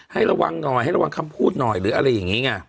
ให้ระวังหน่อยให้ระวังคำพูดหน่อยหรืออะไรอย่างนี้ไง